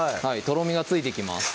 とろみがついてきます